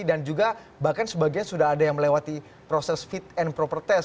dan juga bahkan sebagian sudah ada yang melewati proses fit and proper test